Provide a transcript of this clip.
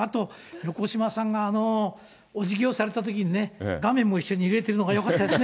横島さんが、あのおじぎをされたときにね、画面も一緒に揺れてるのがよかったですね。